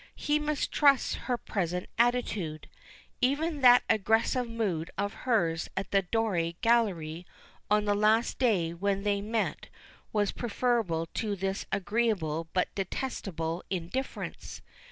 He mistrusts her present attitude. Even that aggressive mood of hers at the Doré gallery on that last day when they met was preferable to this agreeable but detestable indifference.